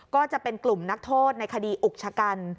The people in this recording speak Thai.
ก็จะเป็นกลุ่มนักโทษในคดีอุกชะกัน